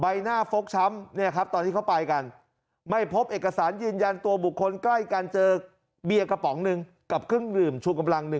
หน้าฟกช้ำเนี่ยครับตอนที่เขาไปกันไม่พบเอกสารยืนยันตัวบุคคลใกล้กันเจอเบียร์กระป๋องหนึ่งกับเครื่องดื่มชูกำลัง๑